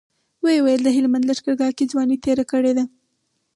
ويې ويل د هلمند لښکرګاه کې ځواني تېره کړې ده.